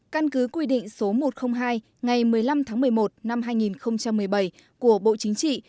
căn cứ quy định số một trăm linh hai ngày một mươi năm tháng một mươi một năm hai nghìn một mươi bảy của bộ chính trị